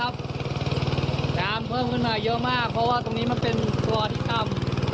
บอสตอนนี้น้ำจะเข้ากับรถเข็นแล้วนะครับ